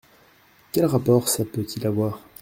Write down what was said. Quel rapport ça peut-il avoir ?